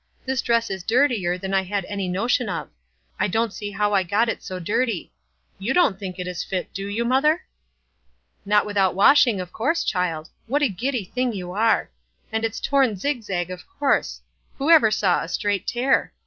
" This dress is dirtier than I had any notion of. I don't see how I got it so dirty. You don't think it is fit, do } T ou, mother?" "Not without washing, of course, child. What a giddy thing you are. And it's torn zig zag, of course; who ever saw a straight tear?